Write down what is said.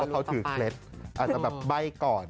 เขาถือเคล็ดอาจจะแบบใบ้ก่อน